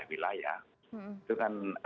wilayah itu kan